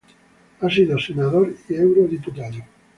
Ha sido senador y eurodiputado.